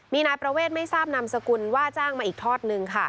มีนายประเวทไม่ทราบนามสกุลว่าจ้างมาอีกทอดนึงค่ะ